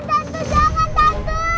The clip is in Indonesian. tante jangan tante